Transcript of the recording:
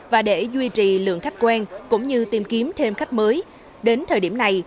và để duy trì lượng khách quen cũng như tìm kiếm thêm khách mới đến thời điểm này